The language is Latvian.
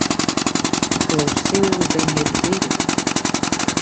Klusi ūdeņi ir dziļi.